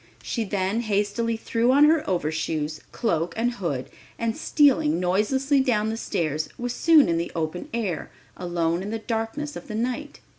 She then hastily threw on her overshoes, cloak and hood and stealing noiselessly down the stairs, was soon in the open air alone in the darkness of the night.